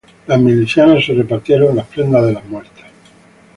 Las milicianas se repartieron las prendas de las muertas.